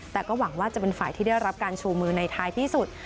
แต่ก็หวังว่าจะเป็นฝ่ายที่ได้รับการชูมือในท้ายที่สุด